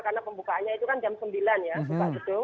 karena pembukaannya itu kan jam sembilan ya mbak gedung